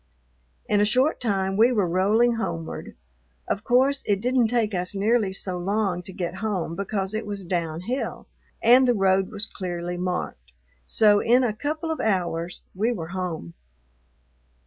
In a short time we were rolling homeward. Of course it didn't take us nearly so long to get home because it was downhill and the road was clearly marked, so in a couple of hours we were home.